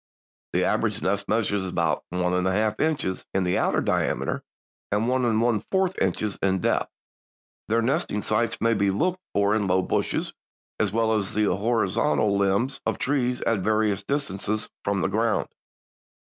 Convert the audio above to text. The average nest measures about one and one half inches in the outer diameter and one and one fourth inches in depth. "Their nesting sites may be looked for in low bushes as well as on the horizontal limbs of trees at various distances from the ground."